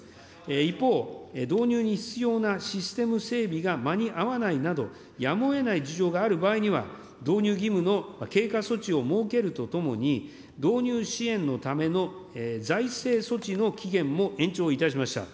一方、導入に必要なシステム整備が間に合わないなど、やむをえない事情がある場合には、導入義務の経過措置を設けるとともに、導入支援のための財政措置の期限も延長いたしました。